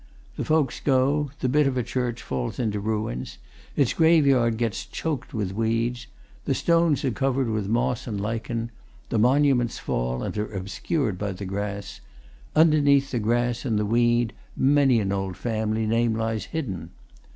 The folks go the bit of a church falls into ruins its graveyard gets choked with weeds the stones are covered with moss and lichen the monuments fall and are obscured by the grass underneath the grass and the weed many an old family name lies hidden.